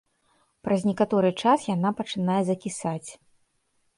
Праз некаторы час яна пачынае закісаць.